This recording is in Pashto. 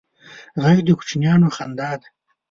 غږ د کوچنیانو خندا ده